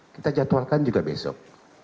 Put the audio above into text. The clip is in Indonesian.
kita jadwalkan juga besok